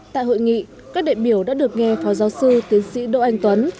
tại hội nghị các đệ biểu đã được nghe phó giáo sư tiến sĩ đỗ anh tuấn